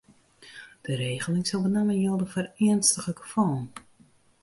De regeling sil benammen jilde foar earnstige gefallen.